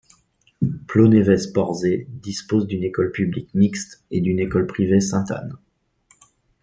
Plonévez-Porzay dispose d'une école publique mixte et d'une école privée Sainte-Anne.